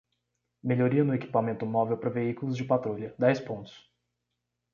Melhoria no equipamento móvel para veículos de patrulha: dez pontos.